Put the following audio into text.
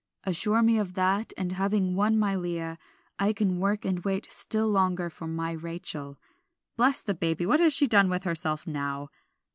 Assure me of that, and, having won my Leah, I can work and wait still longer for my Rachel. Bless the baby! what has she done to herself now?"